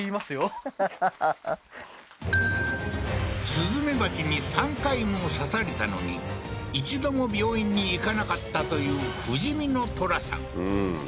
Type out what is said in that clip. スズメバチに３回も刺されたのに一度も病院に行かなかったという不死身のトラさん